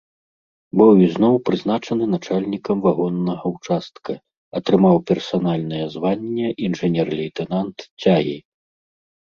Быў ізноў прызначаны начальнікам вагоннага ўчастка, атрымаў персанальнае званне інжынер-лейтэнант цягі.